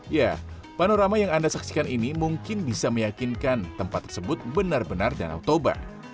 ya panorama yang anda saksikan ini mungkin bisa meyakinkan tempat tersebut benar benar danau toba